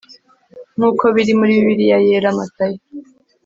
nkuko biri muri Bibiliya Yera Matayo